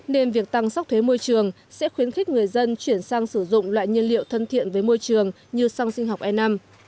nên việc tăng sóc thuế môi trường sẽ khuyến khích người dân chuyển sang sử dụng loại nhiên liệu thân thiện với môi trường như xăng sinh học e năm